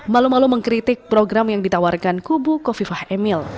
malu malu mengkritik program yang ditawarkan kubu kofifah emil